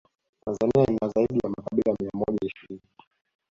Tanzania ina zaidi ya makabila mia moja ishirini